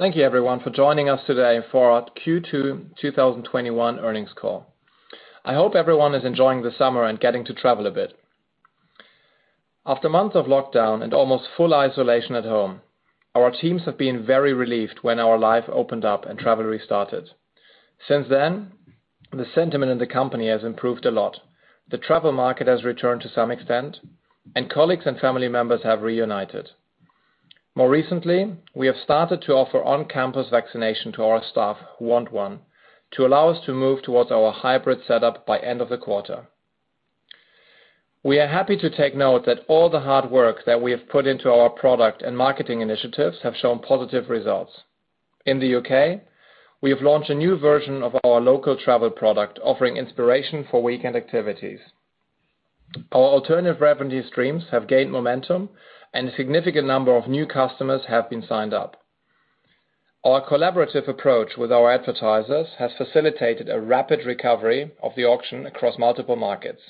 Thank you, everyone, for joining us today for our Q2 2021 earnings call. I hope everyone is enjoying the summer and getting to travel a bit. After months of lockdown and almost full isolation at home, our teams have been very relieved when our life opened up and travel restarted. The sentiment in the company has improved a lot. The travel market has returned to some extent; colleagues and family members have reunited. We have started to offer on-campus vaccination to our staff who want one to allow us to move towards our hybrid setup by end of the quarter. We are happy to take note that all the hard work that we have put into our product and marketing initiatives have shown positive results. In the U.K., we have launched a new version of our local travel product, offering inspiration for weekend activities. Our alternative revenue streams have gained momentum, and a significant number of new customers have been signed up. Our collaborative approach with our advertisers has facilitated a rapid recovery of the auction across multiple markets.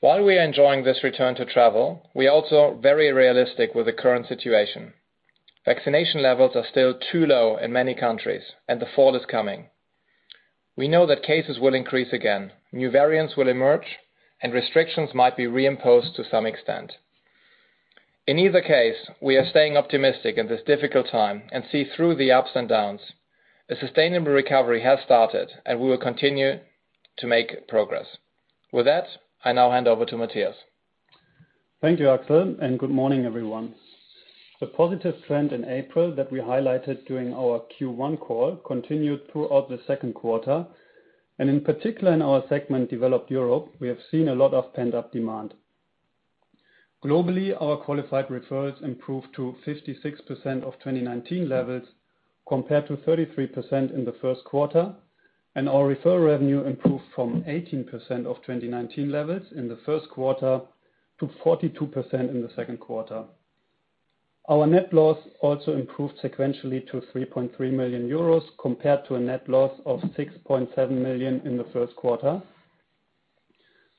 While we are enjoying this return to travel, we are also very realistic with the current situation. Vaccination levels are still too low in many countries, and the fall is coming. We know that cases will increase again, new variants will emerge, and restrictions might be reimposed to some extent. In either case, we are staying optimistic in this difficult time and see through the ups and downs. A sustainable recovery has started, and we will continue to make progress. With that, I now hand over to Matthias. Thank you, Axel, and good morning, everyone. The positive trend in April that we highlighted during our Q1 call continued throughout the second quarter, and in particular in our segment, Developed Europe, we have seen a lot of pent-up demand. Globally, our qualified referrals improved to 56% of 2019 levels, compared to 33% in the first quarter, and our referral revenue improved from 18% of 2019 levels in the first quarter to 42% in the second quarter. Our net loss also improved sequentially to 3.3 million euros compared to a net loss of 6.7 million in the first quarter.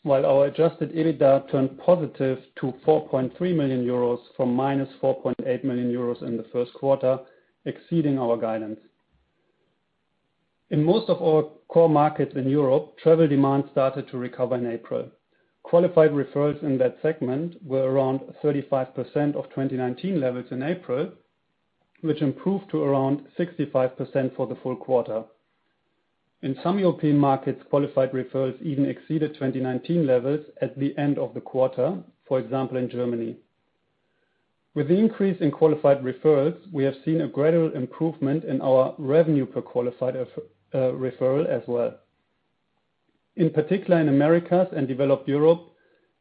While our adjusted EBITDA turned positive to 4.3 million euros from minus 4.8 million euros in the first quarter, exceeding our guidance. In most of our core markets in Europe, travel demand started to recover in April. Qualified referrals in that segment were around 35% of 2019 levels in April, which improved to around 65% for the full quarter. In some European markets, qualified referrals even exceeded 2019 levels at the end of the quarter. For example, in Germany. With the increase in qualified referrals, we have seen a gradual improvement in our revenue per qualified referral as well. In particular, in America and developed Europe,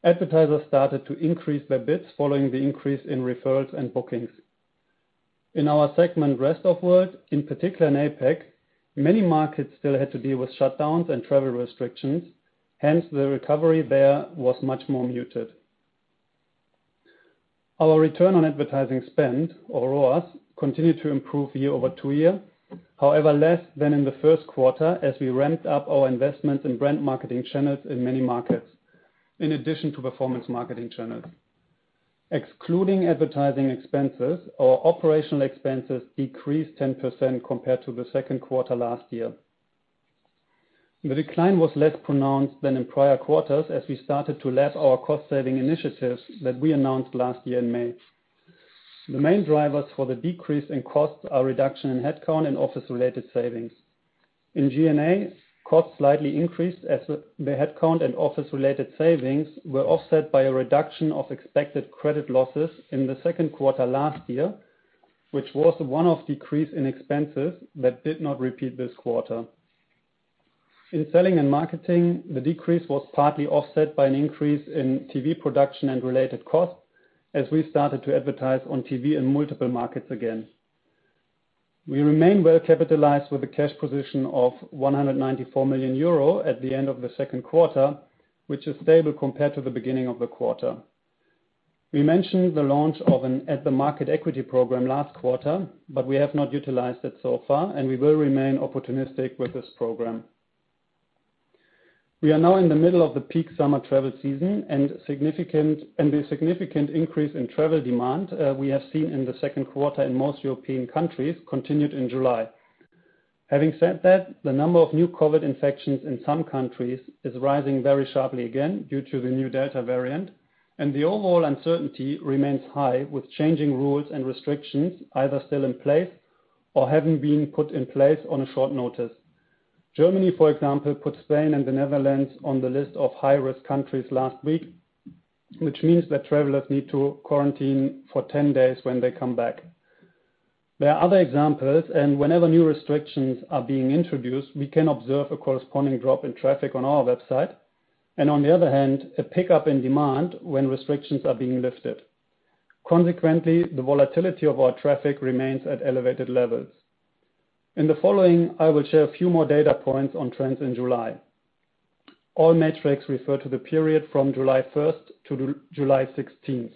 advertisers started to increase their bids following the increase in referrals and bookings. In our segment, Rest of World, in particular in APAC, many markets still had to deal with shutdowns and travel restrictions; hence, the recovery there was much more muted. Our return on advertising spend, or ROAS, continued to improve year-over-two-year, however, less than in the first quarter as we ramped up our investments in brand marketing channels in many markets, in addition to performance marketing channels. Excluding advertising expenses, our operational expenses decreased 10% compared to the second quarter last year. The decline was less pronounced than in prior quarters as we started to lap our cost-saving initiatives that we announced last year in May. The main drivers for the decrease in costs are reduction in headcount and office-related savings. In G&A, costs slightly increased as the headcount and office-related savings were offset by a reduction of expected credit losses in the second quarter last year, which was the one-off decrease in expenses that did not repeat this quarter. In selling and marketing, the decrease was partly offset by an increase in TV production and related costs as we started to advertise on TV in multiple markets again. We remain well-capitalized with a cash position of €194 million at the end of the second quarter, which is stable compared to the beginning of the quarter. We mentioned the launch of an at-the-market equity program last quarter, but we have not utilized it so far, and we will remain opportunistic with this program. We are now in the middle of the peak summer travel season, and the significant increase in travel demand we have seen in the second quarter in most European countries continued in July. Having said that, the number of new COVID infections in some countries is rising very sharply again due to the new Delta variant, and the overall uncertainty remains high, with changing rules and restrictions either still in place or having been put in place on a short notice. Germany, for example, put Spain and the Netherlands on the list of high-risk countries last week, which means that travelers need to quarantine for 10 days when they come back. Whenever new restrictions are being introduced, we can observe a corresponding drop in traffic on our website. On the other hand, a pickup in demand when restrictions are being lifted. Consequently, the volatility of our traffic remains at elevated levels. In the following, I will share a few more data points on trends in July. All metrics refer to the period from July 1st to July 16th.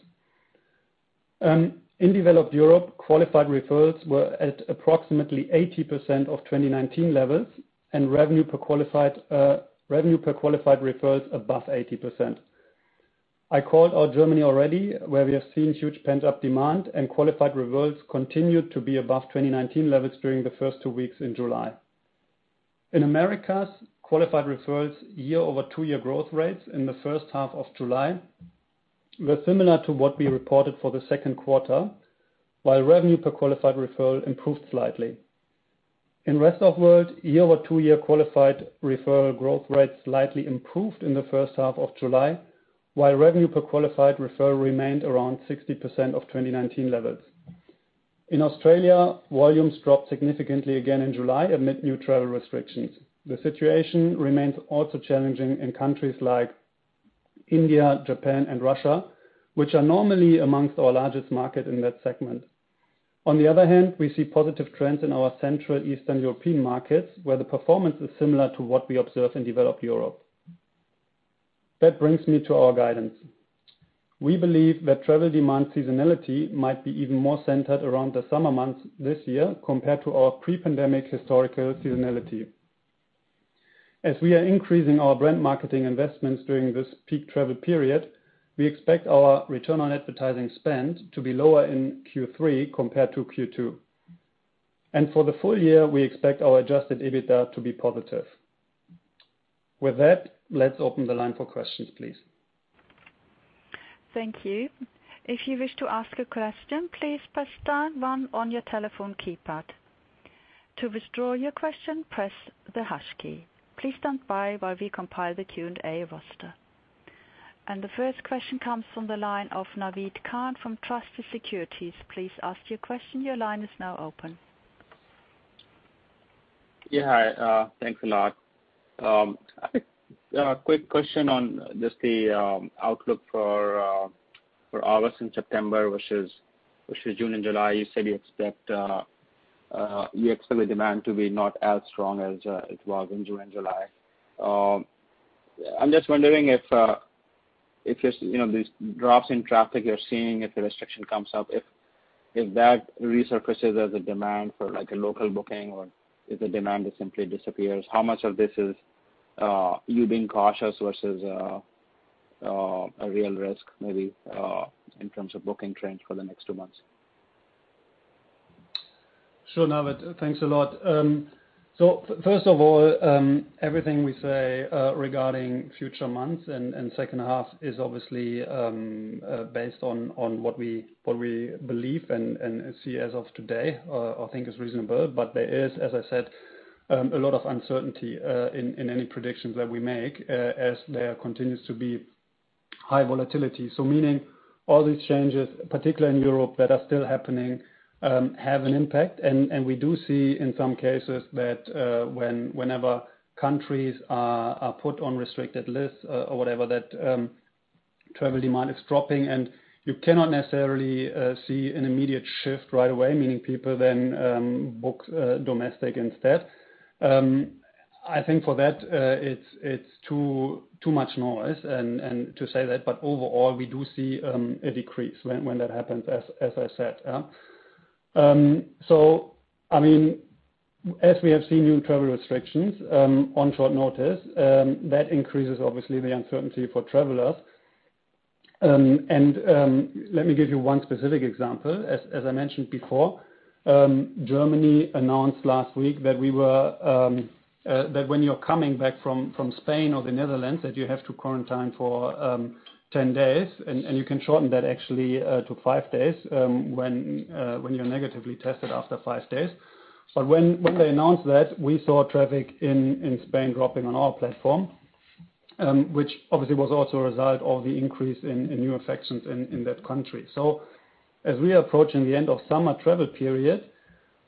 In developed Europe, qualified referrals were at approximately 80% of 2019 levels. Revenue per qualified referrals above 80%. I called out Germany already, where we have seen huge pent-up demand. Qualified referrals continued to be above 2019 levels during the first two weeks in July. In the Americas, Qualified Referrals year-over-two-year growth rates in the first half of July were similar to what we reported for the second quarter, while Revenue Per Qualified Referral improved slightly. In Rest of World, year-over-two-year qualified referral growth rates slightly improved in the first half of July, while revenue per qualified referral remained around 60% of 2019 levels. In Australia, volumes dropped significantly again in July amid new travel restrictions. The situation remains also challenging in countries like India, Japan, and Russia, which are normally amongst our largest markets in that segment. On the other hand, we see positive trends in our Central Eastern European markets, where the performance is similar to what we observe in developed Europe. That brings me to our guidance. We believe that travel demand seasonality might be even more centered around the summer months this year compared to our pre-pandemic historical seasonality. As we are increasing our brand marketing investments during this peak travel period, we expect our return on advertising spend to be lower in Q3 compared to Q2. For the full year, we expect our adjusted EBITDA to be positive. With that, let's open the line for questions, please. Thank you. The first question comes from the line of Naved Khan from Truist Securities. Please ask your question. Your line is now open. Yeah. Hi. Thanks a lot. A quick question on just the outlook for August and September versus June and July. You said you expect demand to be not as strong as it was in June and July. I'm just wondering if these drops in traffic you're seeing, if the restriction comes up, if that resurfaces as a demand for a local booking or is a demand that simply disappears, how much of this is you being cautious versus a real risk maybe in terms of booking trends for the next two months? Sure, Naved. Thanks a lot. First of all, everything we say regarding future months and second half is obviously based on what we believe and see as of today or think is reasonable. There is, as I said, a lot of uncertainty in any predictions that we make, as there continues to be high volatility. Meaning all these changes, particularly in Europe, that are still happening have an impact. We do see in some cases that whenever countries are put on restricted lists or whatever, that travel demand is dropping, and you cannot necessarily see an immediate shift right away, meaning people then book domestic instead. I think for that it's too much noise and to say that, but overall we do see a decrease when that happens, as I said. As we have seen new travel restrictions on short notice, that increases obviously the uncertainty for travelers. Let me give you one specific example. As I mentioned before, Germany announced last week that when you're coming back from Spain or the Netherlands that you have to quarantine for 10 days, and you can shorten that actually to five days when you're negatively tested after five days. When they announced that, we saw traffic in Spain dropping on our platform, which obviously was also a result of the increase in new infections in that country. As we are approaching the end of summer travel period,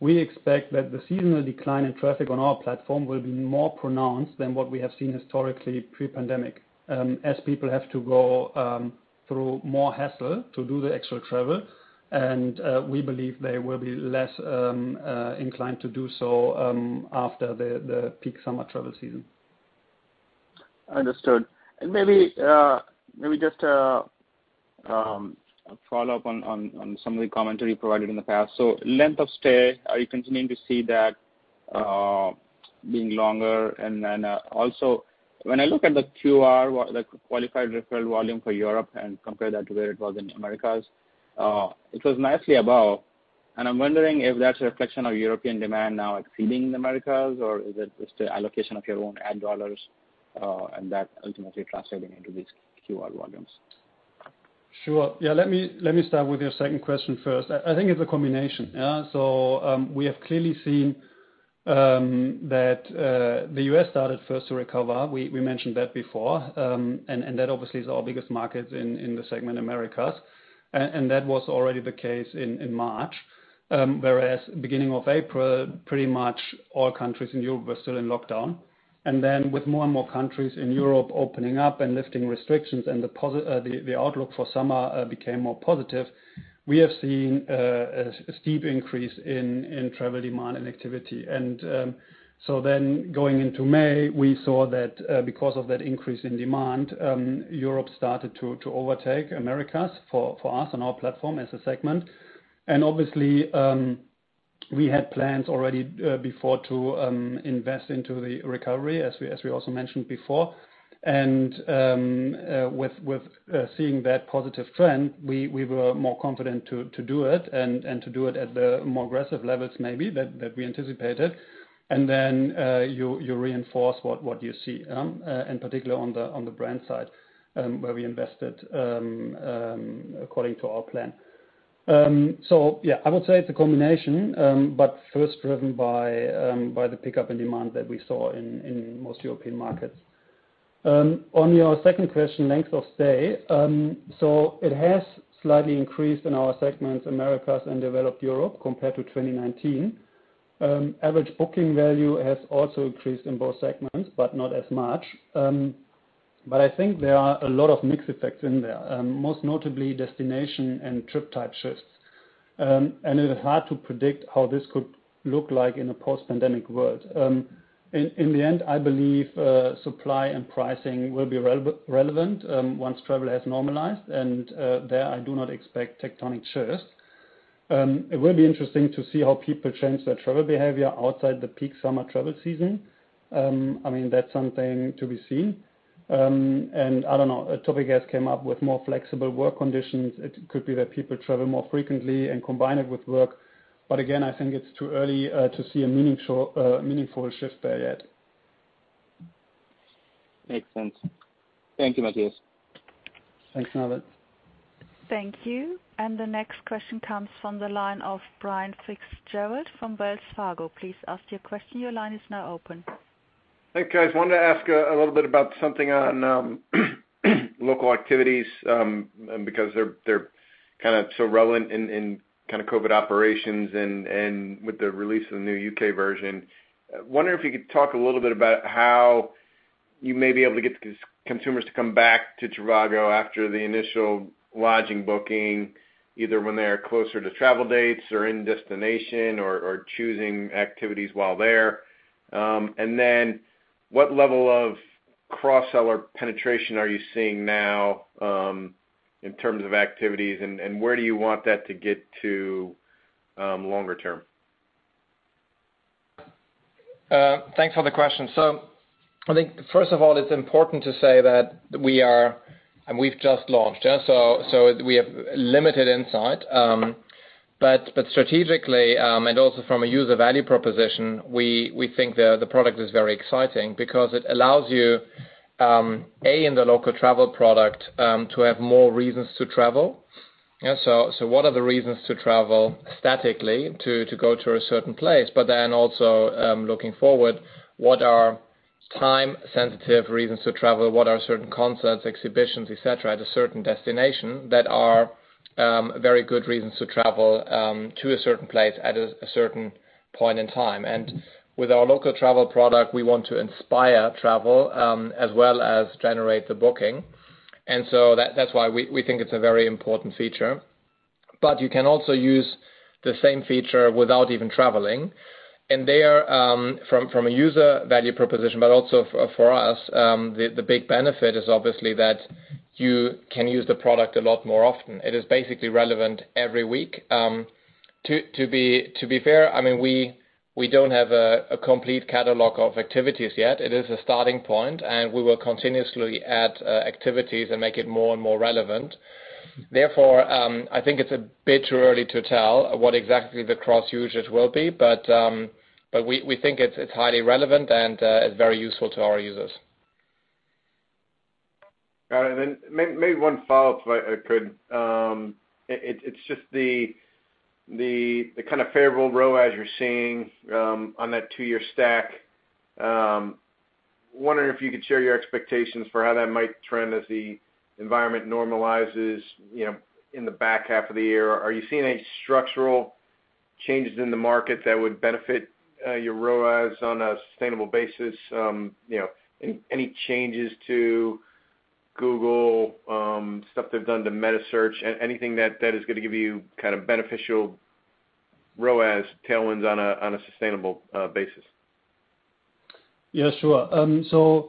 we expect that the seasonal decline in traffic on our platform will be more pronounced than what we have seen historically pre-pandemic. As people have to go through more hassle to do the extra travel, and we believe they will be less inclined to do so after the peak summer travel season. Understood. Maybe just a follow-up on some of the commentary provided in the past. Length of stay, are you continuing to see that being longer? Also, when I look at the QR, the qualified referral volume for Europe and compare that to where it was in Americas, it was nicely above. I'm wondering if that's a reflection of European demand now exceeding the Americas or is it just the allocation of your own ad dollars and that ultimately translating into these QR volumes. Sure. Yeah. Let me start with your second question first. I think it's a combination. We have clearly seen that the U.S. started first to recover. We mentioned that before. That obviously is our biggest market in the segment Americas. That was already the case in March. Whereas beginning of April, pretty much all countries in Europe were still in lockdown. With more and more countries in Europe opening up and lifting restrictions and the outlook for summer became more positive, we have seen a steep increase in travel demand and activity. Going into May, we saw that because of that increase in demand, Europe started to overtake Americas for us on our platform as a segment. Obviously, we had plans already before to invest into the recovery, as we also mentioned before. With seeing that positive trend, we were more confident to do it and to do it at the more aggressive levels maybe that we anticipated, and then you reinforce what you see, in particular on the brand side, where we invested according to our plan. Yeah, I would say it's a combination, but first driven by the pickup in demand that we saw in most European markets. On your second question, length of stay. It has slightly increased in our segments, Americas and Developed Europe, compared to 2019. Average booking value has also increased in both segments, but not as much. I think there are a lot of mixed effects in there. Most notably, destination and trip type shifts. It is hard to predict how this could look like in a post-pandemic world. In the end, I believe supply and pricing will be relevant once travel has normalized; there I do not expect tectonic shifts. It will be interesting to see how people change their travel behavior outside the peak summer travel season. That's something to be seen. I don't know; a topic has come up with more flexible work conditions. It could be that people travel more frequently and combine it with work. Again, I think it's too early to see a meaningful shift there yet. Makes sense. Thank you, Matthias. Thanks, Naved. Thank you. The next question comes from the line of Brian Fitzgerald from Wells Fargo. Please ask your question. Your line is now open. Hey, guys. Wanted to ask a little bit about something on local activities, because they're so relevant in COVID operations and with the release of the new U.K. version. Wondering if you could talk a little bit about how you may be able to get consumers to come back to trivago after the initial lodging booking, either when they are closer to travel dates or in destination or choosing activities while there. What level of cross-seller penetration are you seeing now, in terms of activities, and where do you want that to get to longer term? Thanks for the question. First of all, it's important to say that we are, and we've just launched. We have limited insight. Strategically, and also from a user value proposition, we think the product is very exciting because it allows you, A, in the local travel product, to have more reasons to travel. What are the reasons to travel statically to go to a certain place? Also, looking forward, what are time-sensitive reasons to travel? What are certain concerts, exhibitions, et cetera, at a certain destination that are very good reasons to travel to a certain place at a certain point in time? With our local travel product, we want to inspire travel as well as generate the booking. That's why we think it's a very important feature. You can also use the same feature without even traveling. There from a user value proposition, but also for us, the big benefit is obviously that you can use the product a lot more often. It is basically relevant every week. To be fair, we don't have a complete catalog of activities yet. It is a starting point, and we will continuously add activities and make it more and more relevant. Therefore, I think it's a bit too early to tell what exactly the cross-usage will be. We think it's highly relevant, and it's very useful to our users. Got it. Then maybe one follow-up, if I could. It's just the favorable ROAS you're seeing on that two-year stack. Wondering if you could share your expectations for how that might trend as the environment normalizes in the back half of the year. Are you seeing any structural changes in the market that would benefit your ROAS on a sustainable basis? Any changes to Google, stuff they've done to meta search, anything that is going to give you beneficial ROAS tailwinds on a sustainable basis? Sure.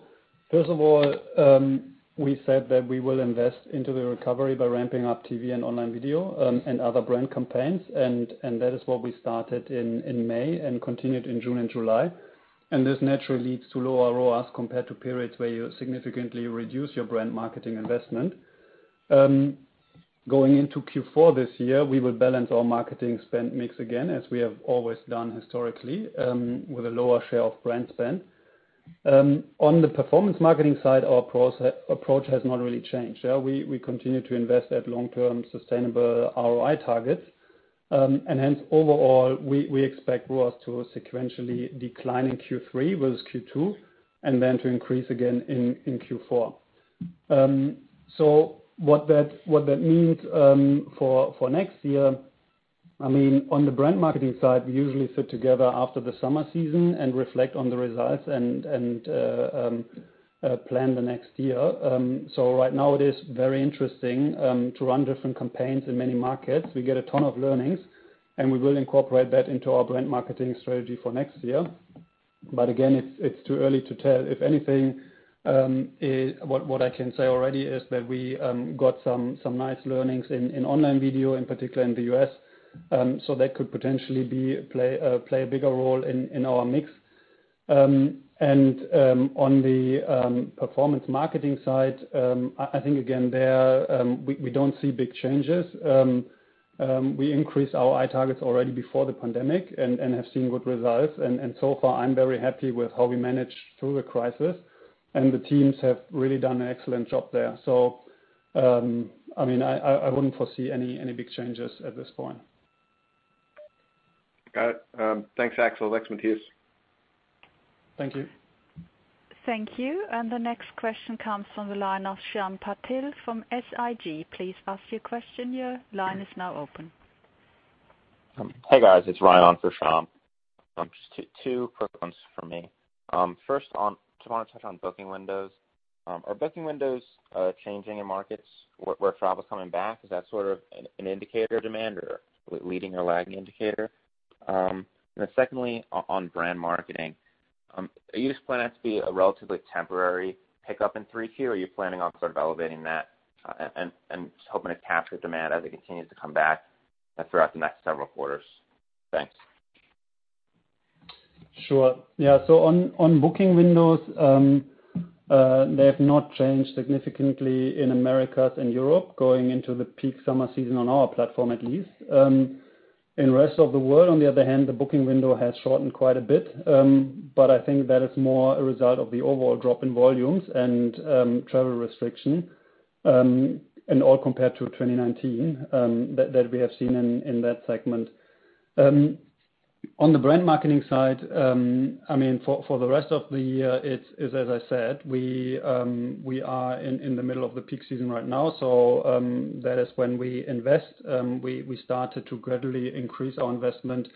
First of all, we said that we will invest into the recovery by ramping up TV and online video and other brand campaigns, and that is what we started in May and continued in June and July. This naturally leads to lower ROAS compared to periods where you significantly reduce your brand marketing investment. Going into Q4 this year, we will balance our marketing spend mix again, as we have always done historically, with a lower share of brand spend. On the performance marketing side, our approach has not really changed. We continue to invest at long-term sustainable ROI targets. Hence, overall, we expect ROAS to sequentially decline in Q3 versus Q2 and then to increase again in Q4. What that means for next year, on the brand marketing side, we usually sit together after the summer season and reflect on the results and plan the next year. Right now it is very interesting to run different campaigns in many markets. We get a ton of learnings, and we will incorporate that into our brand marketing strategy for next year. Again, it's too early to tell. If anything, what I can say already is that we got some nice learnings in online video, in particular in the U.S., so that could potentially play a bigger role in our mix. On the performance marketing side, I think again there, we don't see big changes. We increased our ROI targets already before the pandemic and have seen good results. So far I'm very happy with how we managed through the crisis, and the teams have really done an excellent job there. I wouldn't foresee any big changes at this point. Got it. Thanks, Axel. and, Matthias. Thank you. Thank you. The next question comes from the line of Shyam Patil from SIG. Please ask your question. Your line is now open. Hey, guys. It's Ryan on for Shyam. Just two quick ones from me. First on, I just want to touch on booking windows. Are booking windows changing in markets where travel's coming back? Is that sort of an indicator of demand or leading or lagging indicator? Secondly, on brand marketing, are you just planning it to be a relatively temporary pickup in 3Q, or are you planning on sort of elevating that and just hoping to capture demand as it continues to come back throughout the next several quarters? Thanks. Sure. Yeah. On booking windows, they have not changed significantly in Americas and Europe going into the peak summer season on our platform, at least. In the rest of the world, on the other hand, the booking window has shortened quite a bit. I think that is more a result of the overall drop in volumes and travel restriction and all compared to 2019 that we have seen in that segment. On the brand marketing side, for the rest of the year, as I said, we are in the middle of the peak season right now, so that is when we invest. We started to gradually increase our investment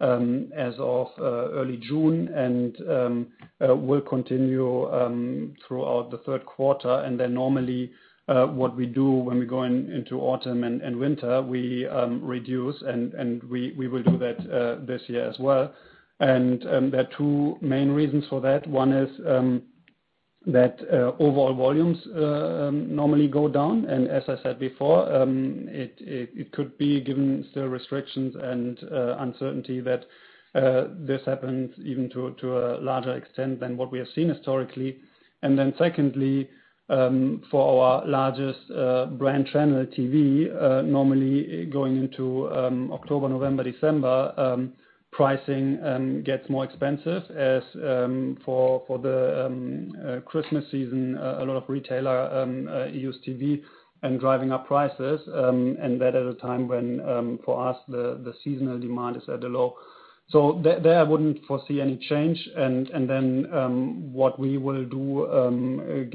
as of early June and will continue throughout the third quarter. Normally, what we do when we go into autumn and winter, we reduce, and we will do that this year as well. There are two main reasons for that. One is that overall volumes normally go down, and as I said before, it could be given the restrictions and uncertainty that this happens even to a larger extent than what we have seen historically. Secondly, for our largest brand channel TV, normally going into October, November, December, pricing gets more expensive as for the Christmas season; a lot of retailers use TV and driving up prices. That at a time when, for us, the seasonal demand is at a low. There, I wouldn't foresee any change. What we will do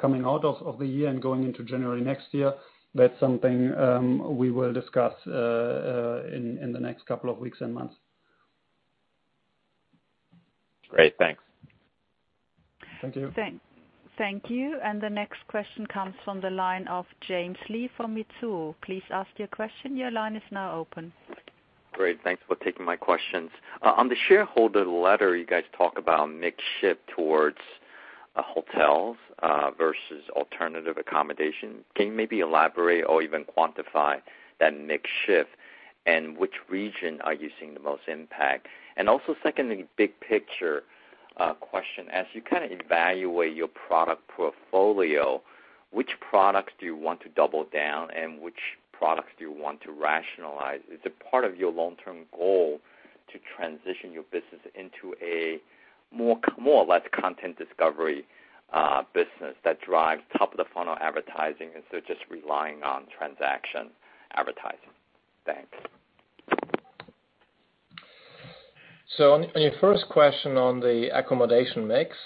coming out of the year and going into January next year, that's something we will discuss in the next couple of weeks and months. Great. Thanks. Thank you. Thank you. The next question comes from the line of James Lee from Mizuho. Please ask your question. Your line is now open. Great. Thanks for taking my questions. On the shareholder letter, you guys talk about mix shift towards hotels versus alternative accommodation. Can you maybe elaborate or even quantify that mix shift, and which region are you seeing the most impact? Also, secondly, big picture question: as you evaluate your product portfolio, which products do you want to double down on, and which products do you want to rationalize? Is it part of your long-term goal to transition your business into a more or less content discovery business that drives top-of-the-funnel advertising instead of just relying on transaction advertising? Thanks. On your first question on the accommodation mix,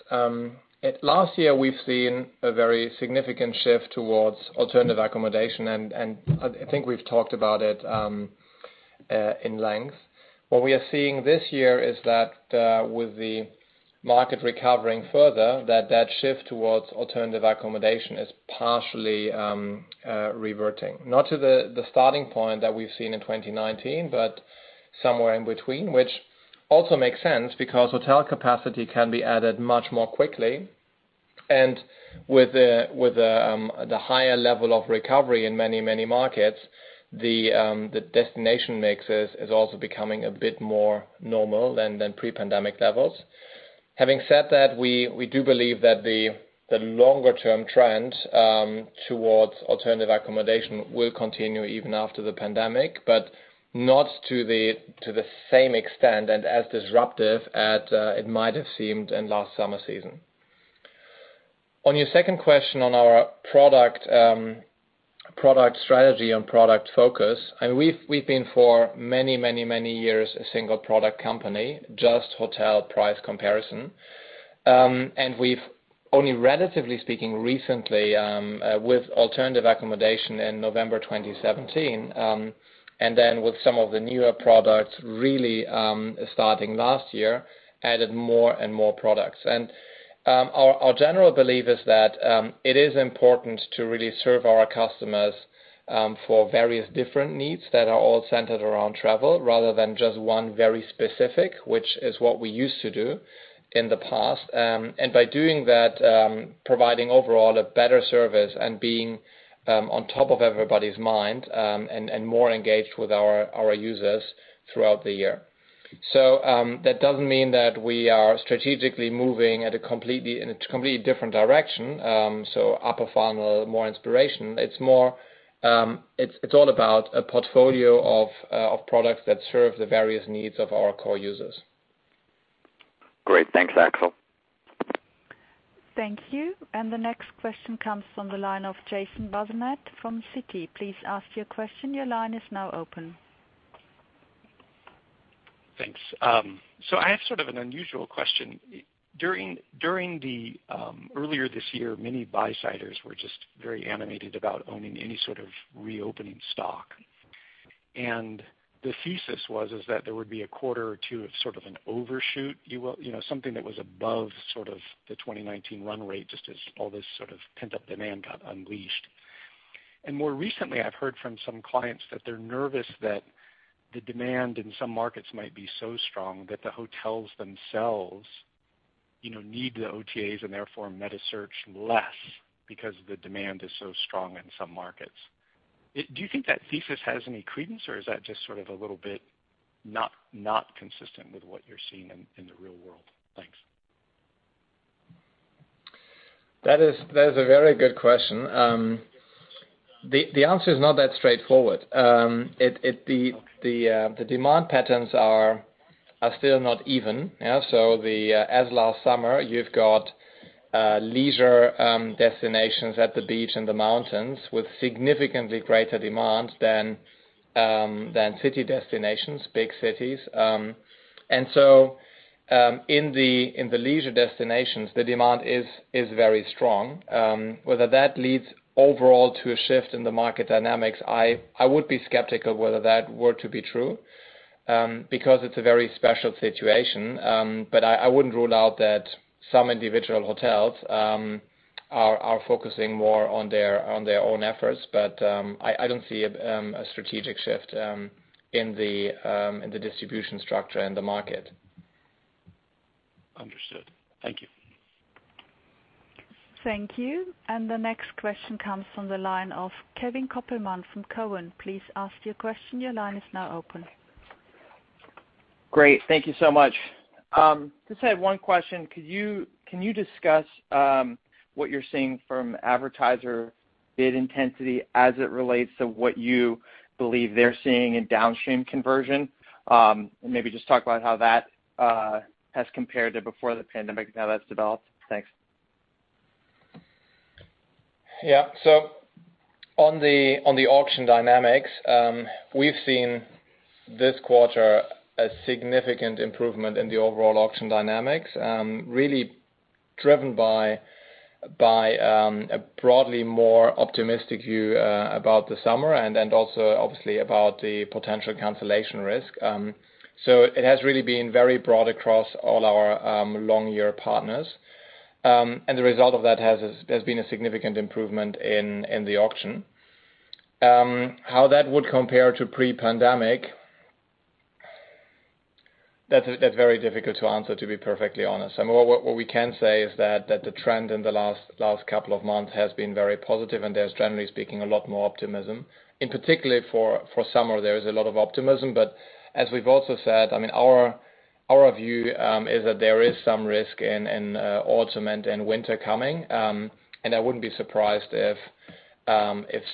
last year we've seen a very significant shift towards alternative accommodation, and I think we've talked about it in length. What we are seeing this year is that with the market recovering further, that shift towards alternative accommodation is partially reverting, not to the starting point that we've seen in 2019, but somewhere in between, which also makes sense because hotel capacity can be added much more quickly. With the higher level of recovery in many markets, the destination mix is also becoming a bit more normal than pre-pandemic levels. Having said that, we do believe that the longer-term trend towards alternative accommodation will continue even after the pandemic, but not to the same extent and as disruptive as it might have seemed in last summer season. On your second question on our product strategy and product focus, we've been for many years, a single-product company, just hotel price comparison. We've only relatively speaking recently, with alternative accommodation in November 2017, and then with some of the newer products really starting last year, added more and more products. Our general belief is that it is important to really serve our customers for various different needs that are all centered around travel rather than just one very specific, which is what we used to do in the past. By doing that, providing, overall, a better service and being on top of everybody's mind and more engaged with our users throughout the year. That doesn't mean that we are strategically moving in a completely different direction. Upper funnel, more inspiration. It's all about a portfolio of products that serve the various needs of our core users. Great. Thanks, Axel. Thank you. The next question comes from the line of Jason Bazinet from Citi. Please ask your question. Your line is now open. Thanks. I have sort of an unusual question. Earlier this year, many buy-siders were just very animated about owning any sort of reopening stock. The thesis was, is that there would be a quarter or two of sort of an overshoot, something that was above the 2019 run rate, just as all this sort of pent-up demand got unleashed. More recently, I've heard from some clients that they're nervous that the demand in some markets might be so strong that the hotels themselves need the OTAs and therefore metasearch less because the demand is so strong in some markets. Do you think that thesis has any credence, or is that just sort of a little bit not consistent with what you're seeing in the real world? Thanks. That is a very good question. The answer is not that straightforward. The demand patterns are still not even. Yeah. As last summer, you've got leisure destinations at the beach and the mountains with significantly greater demand than city destinations, big cities. In the leisure destinations, the demand is very strong. Whether that leads overall to a shift in the market dynamics, I would be skeptical whether that were to be true, because it's a very special situation. I wouldn't rule out that some individual hotels are focusing more on their own efforts. I don't see a strategic shift in the distribution structure in the market. Understood. Thank you. Thank you. The next question comes from the line of Kevin Kopelman from Cowen. Great. Thank you so much. Just had one question. Can you discuss what you're seeing from advertiser bid intensity as it relates to what you believe they're seeing in downstream conversion? Maybe just talk about how that has compared to before the pandemic and how that's developed. Thanks. On the auction dynamics, we've seen this quarter a significant improvement in the overall auction dynamics, really driven by a broadly more optimistic view about the summer and also obviously about the potential cancellation risk. It has really been very broad across all our long-term partners. The result of that has been a significant improvement in the auction. How that would compare to pre-pandemic, that's very difficult to answer, to be perfectly honest. I mean, what we can say is that the trend in the last couple of months has been very positive, and there's, generally speaking, a lot more optimism. In particular for summer, there is a lot of optimism. As we've also said, our view is that there is some risk in autumn and winter coming. I wouldn't be surprised if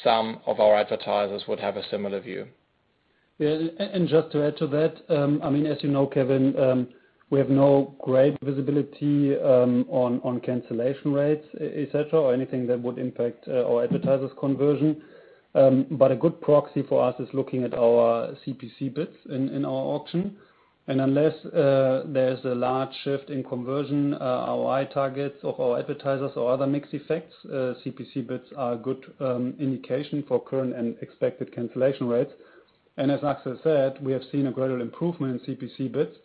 some of our advertisers would have a similar view. Just to add to that, as you know, Kevin, we have no great visibility on cancellation rates, etc., or anything that would impact our advertisers' conversion. A good proxy for us is looking at our CPC bids in our auction. Unless there's a large shift in conversion, our ROI targets of our advertisers or other mixed effects, CPC bids are a good indication for current and expected cancellation rates. As Axel said, we have seen a gradual improvement in CPC bids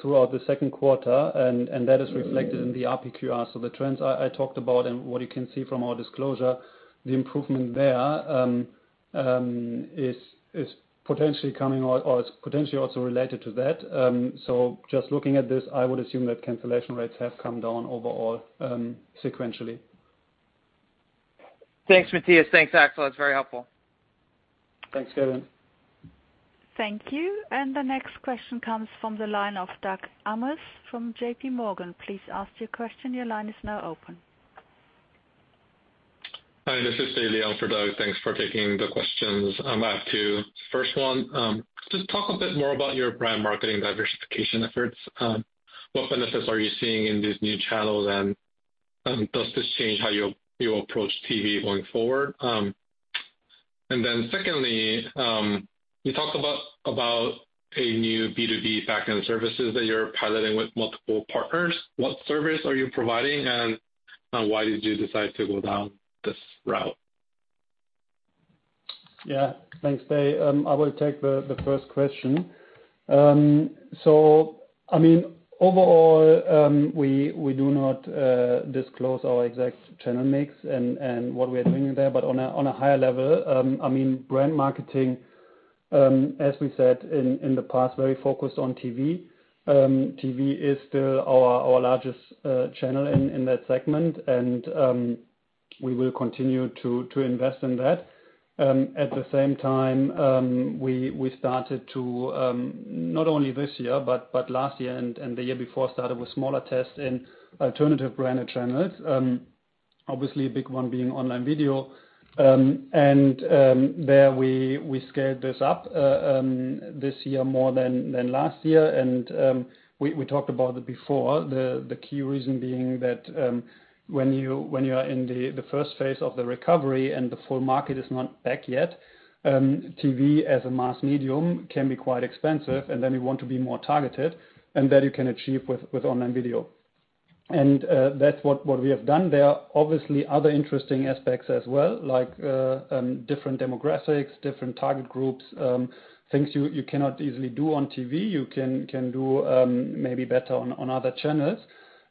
throughout the Second Quarter, and that is reflected in the RPQR. The trends I talked about and what you can see from our disclosure, the improvement there is potentially coming, or is potentially also related to that. Just looking at this, I would assume that cancellation rates have come down overall sequentially. Thanks, Matthias. Thanks, Axel. That's very helpful. Thanks, Kevin. Thank you. The next question comes from the line of Doug Anmuth from JPMorgan. Please ask your question. Your line is now open. Hi, this is Dae Lee in for Doug. Thanks for taking the questions. I have two. First one, just talk a bit more about your brand marketing diversification efforts. What benefits are you seeing in these new channels, and does this change how you approach TV going forward? Secondly, you talk about a new B2B backend service that you're piloting with multiple partners. What service are you providing, and why did you decide to go down this route? Thanks, Dae. I will take the first question. Overall, we do not disclose our exact channel mix and what we are doing there. On a higher level, brand marketing, as we said in the past, very focused on TV. TV is still our largest channel in that segment. We will continue to invest in that. At the same time, we started to not only this year, but last year and the year before, started with smaller tests in alternative branded channels. Obviously, a big one being online video. There we scaled this up this year more than last year. We talked about it before, the key reason being that when you are in the first phase of the recovery and the full market is not back yet, TV as a mass medium can be quite expensive, and then we want to be more targeted, and that you can achieve with online video. That's what we have done. There are obviously other interesting aspects as well, like different demographics, different target groups—things you cannot easily do on TV—you can do maybe better on other channels.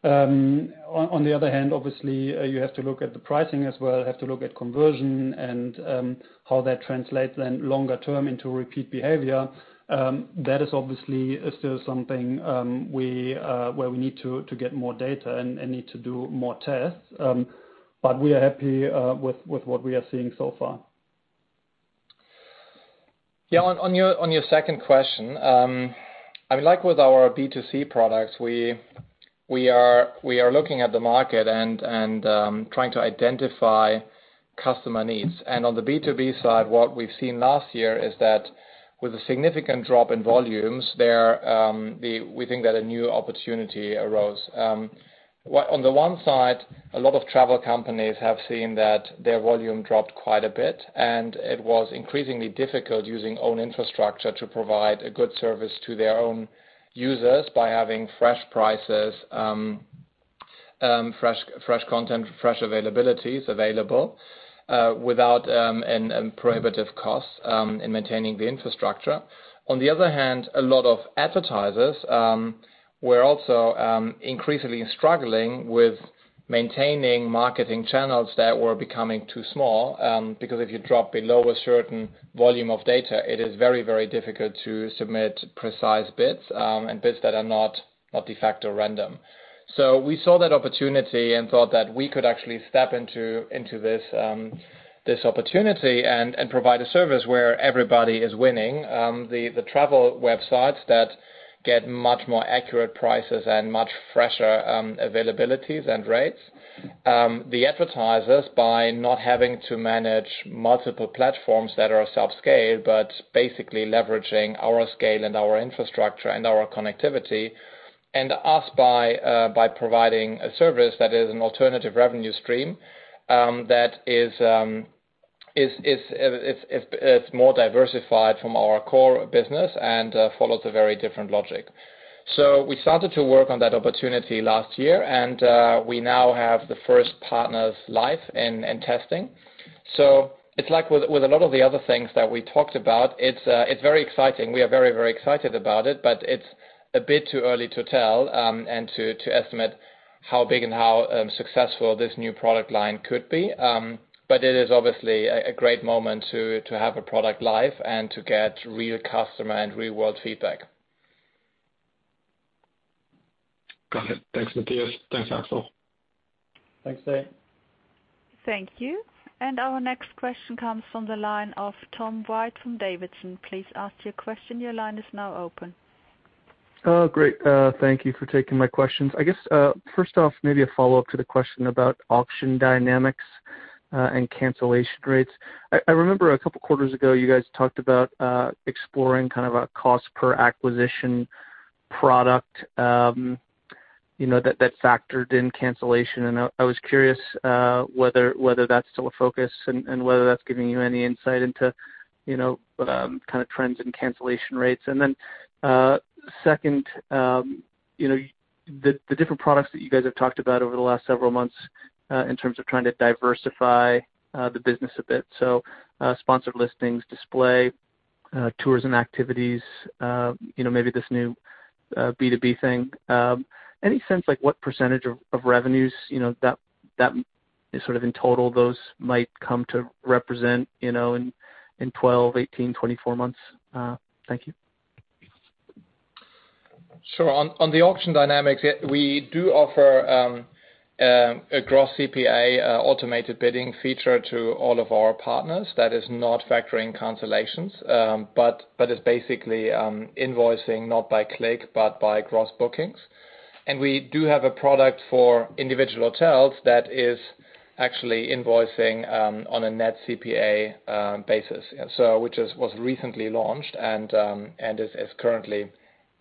On the other hand, obviously, you have to look at the pricing as well. You have to look at conversion and how that translates, then longer term into repeat behavior. That is obviously still something where we need to get more data and need to do more tests, but we are happy with what we are seeing so far. On your second question, like with our B2C products, we are looking at the market and trying to identify customer needs. On the B2B side, what we've seen last year is that with a significant drop in volumes, we think that a new opportunity arose. On the one side, a lot of travel companies have seen that their volume dropped quite a bit, and it was increasingly difficult using own infrastructure to provide a good service to their own users by having fresh prices, fresh content, fresh availabilities available without prohibitive costs in maintaining the infrastructure. On the other hand, a lot of advertisers were also increasingly struggling with maintaining marketing channels that were becoming too small, because if you drop below a certain volume of data, it is very, very difficult to submit precise bids and bids that are not de facto random. We saw that opportunity and thought that we could actually step into this opportunity and provide a service where everybody is winning. The travel websites that get much more accurate prices and much fresher availabilities and rates. The advertisers by not having to manage multiple platforms that are sub-scale, but basically leveraging our scale and our infrastructure and our connectivity. Us by providing a service that is an alternative revenue stream that is more diversified from our core business and follows a very different logic. We started to work on that opportunity last year, and we now have the first partners live and testing. It's like with a lot of the other things that we talked about, it's very exciting. We are very, very excited about it. It's a bit too early to tell and to estimate how big and how successful this new product line could be. It is obviously a great moment to have a product live and to get real customer and real-world feedback. Got it. Thanks, Matthias. Thanks, Axel. Thanks, Dae. Thank you. Our next question comes from the line of Tom White from Davidson. Great. Thank you for taking my questions. I guess, first off, maybe a follow-up to the question about auction dynamics and cancellation rates. I remember two quarters ago you guys talked about exploring a cost per acquisition product that factored in cancellation. I was curious whether that's still a focus and whether that's giving you any insight into trends in cancellation rates. Second, the different products that you guys have talked about over the last several months in terms of trying to diversify the business a bit. Sponsored listings, display, tourism activities, maybe this new B2B thing. Any sense like what percentage of revenues, that is, in total, those might come to represent in 12, 18, 24 months? Thank you. Sure. On the auction dynamics, we do offer a gross CPA automated bidding feature to all of our partners that is not factoring cancellations but is basically invoicing not by click but by gross bookings. We do have a product for individual hotels that is actually invoicing on a net CPA basis. Which was recently launched and is currently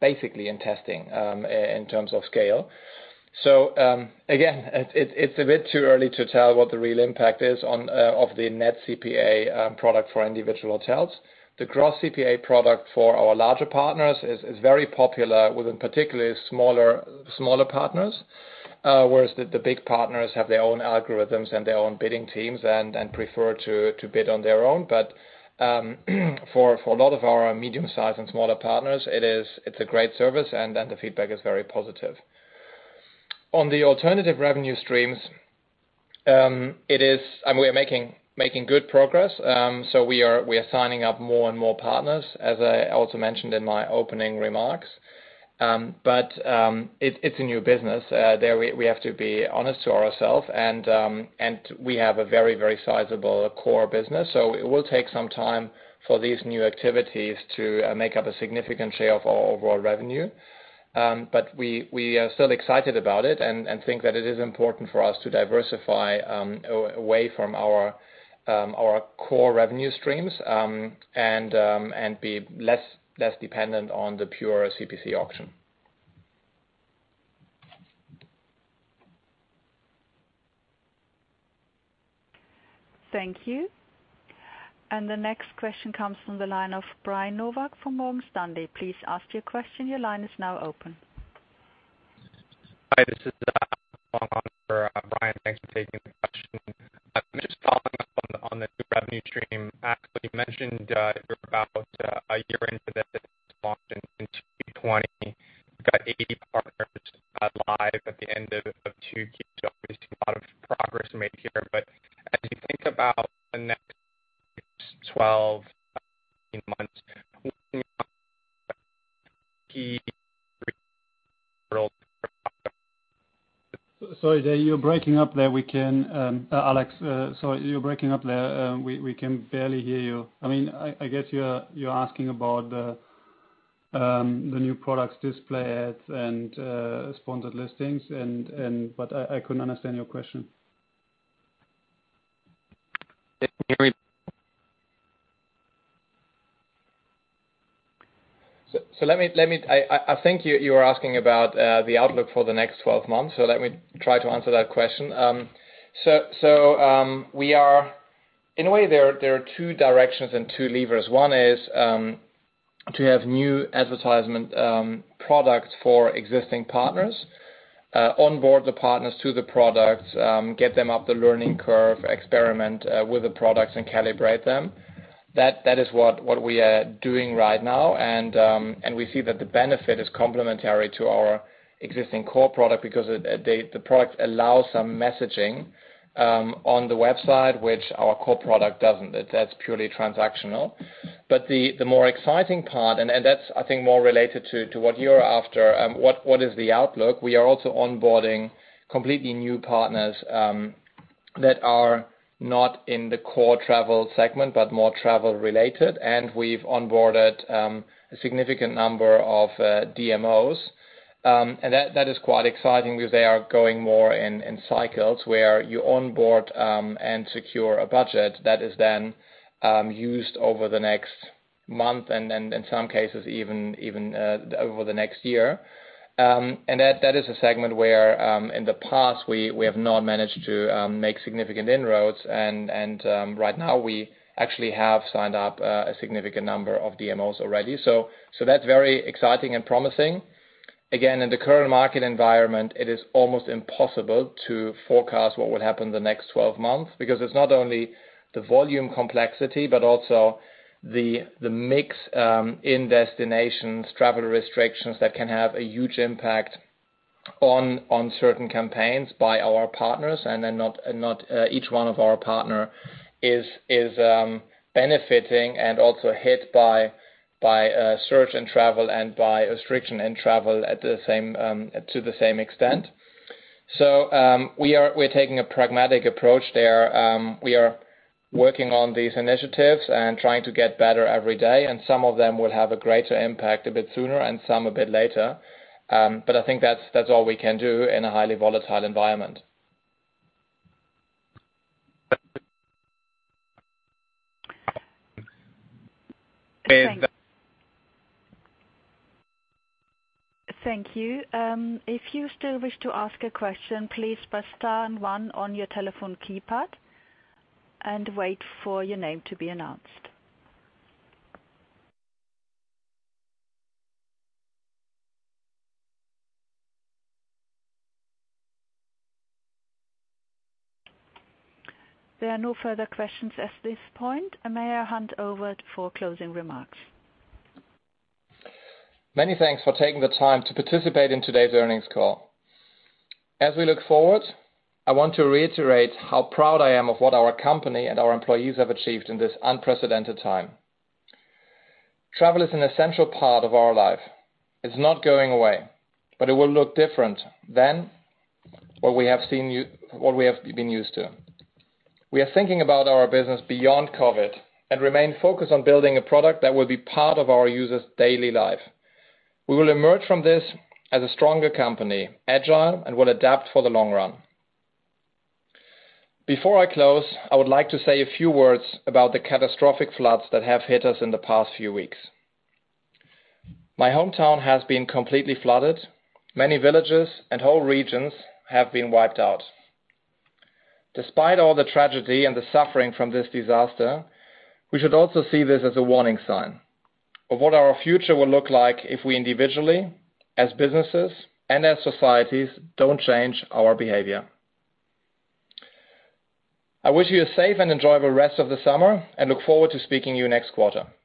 basically in testing in terms of scale. Again, it's a bit too early to tell what the real impact is of the net CPA product for individual hotels. The gross CPA product for our larger partners is very popular within particularly smaller partners. The big partners have their own algorithms and their own bidding teams and prefer to bid on their own. For a lot of our medium-sized and smaller partners, it's a great service, and the feedback is very positive. On the alternative revenue streams, we are making good progress. We are signing up more and more partners, as I also mentioned in my opening remarks. But it's a new business. There we have to be honest to ourselves, and we have a very, very sizable core business. It will take some time for these new activities to make up a significant share of our overall revenue. We are still excited about it and think that it is important for us to diversify away from our core revenue streams and be less dependent on the pure CPC auction. Thank you. The next question comes from the line of Brian Nowak from Morgan Stanley. Hi, this is Brian. Thanks for taking the question. Just following up on the new revenue stream. Alex, you mentioned you're about a year into this launch in 2020. You've got 80 partners live at the end of Q2. Obviously, a lot of progress made here, but as you think about the next 12, 18 months. Sorry, you're breaking up there, Axel. We can barely hear you. I get you're asking about the new product display ads and sponsored listings, but I couldn't understand your question. Can you hear me? I think you were asking about the outlook for the next 12 months. Let me try to answer that question. In a way, there are two directions and two levers. One is to have new advertisement products for existing partners, onboard the partners to the products, get them up the learning curve, experiment with the products, and calibrate them. That is what we are doing right now, and we see that the benefit is complementary to our existing core product because the product allows some messaging on the website, which our core product doesn't. That's purely transactional. The more exciting part, and that's, I think, more related to what you're after, what is the outlook? We are also onboarding completely new partners that are not in the core travel segment, but more travel-related. We've onboarded a significant number of DMOs. That is quite exciting because they are going more in cycles where you onboard and secure a budget that is then used over the next month, and in some cases even over the next year. That is a segment where, in the past, we have not managed to make significant inroads, and right now we actually have signed up a significant number of DMOs already. That's very exciting and promising. Again, in the current market environment, it is almost impossible to forecast what would happen in the next 12 months because it's not only the volume complexity but also the mix in destinations, travel restrictions that can have a huge impact on certain campaigns by our partners, and then not each one of our partners is benefiting and also hit by a surge in travel and by restrictions in travel to the same extent. We're taking a pragmatic approach there. We are working on these initiatives and trying to get better every day, and some of them will have a greater impact a bit sooner and some a bit later. I think that's all we can do in a highly volatile environment. Thank you. If you still wish to ask a question, please press star and one on your telephone keypad and wait for your name to be announced. There are no further questions at this point. May I hand over for closing remarks. Many thanks for taking the time to participate in today's earnings call. As we look forward, I want to reiterate how proud I am of what our company and our employees have achieved in this unprecedented time. Travel is an essential part of our life. It's not going away, but it will look different than what we have been used to. We are thinking about our business beyond COVID and remain focused on building a product that will be part of our users' daily life. We will emerge from this as a stronger company, agile, and will adapt for the long run. Before I close, I would like to say a few words about the catastrophic floods that have hit us in the past few weeks. My hometown has been completely flooded. Many villages and whole regions have been wiped out. Despite all the tragedy and the suffering from this disaster, we should also see this as a warning sign of what our future will look like if we individually, as businesses and as societies, don't change our behavior. I wish you a safe and enjoyable rest of the summer and look forward to speaking to you next quarter.